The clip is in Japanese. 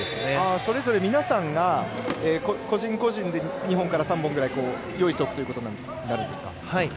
それぞれ皆さんが個人個人で２本から３本くらい用意しておくということになるんですか。